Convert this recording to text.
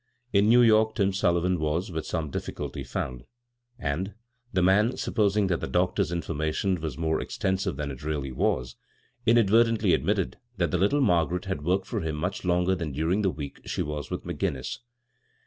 In New York Tim Sullivan was, with some difficulty found; and, the man, supposing that the doctor's information was more exten sive than it really was, inadvertently admitted that the little Margaret had wcH ked for him much longer than during the week she was with McGinnis.